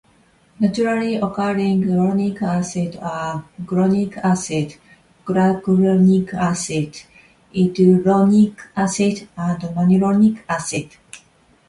Naturally occurring uronic acids are -glucuronic acid, -galacturonic acid, -iduronic acid and -mannuronic acid.